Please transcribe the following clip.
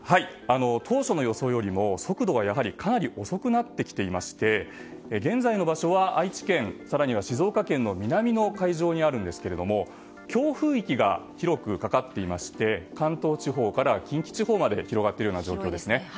当初の予想よりも速度がかなり遅くなってきていまして現在の場所は愛知県、更には静岡県の南の海上にあるんですが強風域が広くかかっていまして関東地方から近畿地方まで広がっている状況です。